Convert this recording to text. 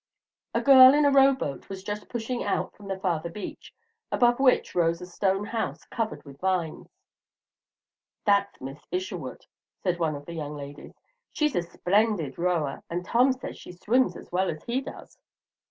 A girl in a row boat was just pushing out from the farther beach, above which rose a stone house covered with vines. "That's Miss Isherwood," said one of the young ladies. "She's a splendid rower, and Tom says she swims as well as he does."